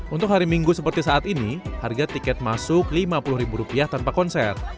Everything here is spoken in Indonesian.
untuk hari minggu seperti saat ini harga tiket masuk rp lima puluh tanpa konser